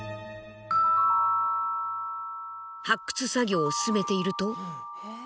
発掘作業を進めていると。